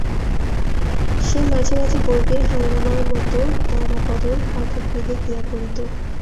সে মাঝে মাঝে বর্গির হাঙ্গামার মতো তারাপদর পাঠগৃহে গিয়া পড়িত।